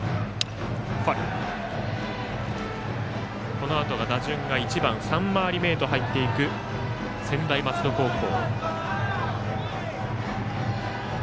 このあとが打順が１番３回り目へと入っていく専大松戸高校。